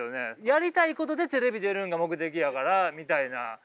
やりたいことでテレビ出るのが目的やからみたいな。